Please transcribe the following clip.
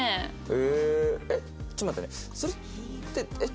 えっ？